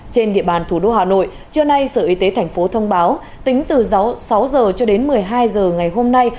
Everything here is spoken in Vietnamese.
trên địa bàn thủ đô hà nội trưa nay sở y tế thành phố thông báo tính từ sáu h cho đến một mươi hai h ngày hôm nay